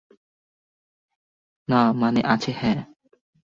না, মানে, আছে, হ্যাঁ।